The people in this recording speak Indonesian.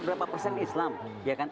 berapa persen islam ya kan